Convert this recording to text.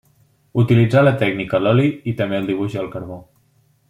Utilitzà la tècnica a l'oli i també el dibuix al carbó.